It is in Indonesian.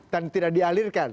dan tidak dialirkan